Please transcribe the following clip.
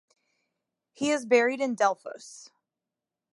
He is buried in Delphos.